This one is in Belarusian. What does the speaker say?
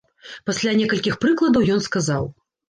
Пасля некалькіх прыкладаў, ён сказаў.